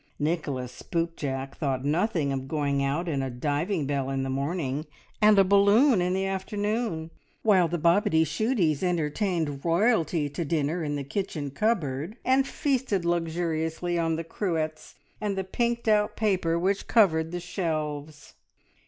Nicholas Spoopjack thought nothing of going out in a diving bell in the morning, and a balloon in the afternoon, while the Bobityshooties entertained royalty to dinner in the kitchen cupboard, and feasted luxuriously on the cruets, and the pinked out paper which covered the shelves.